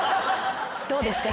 どうですか？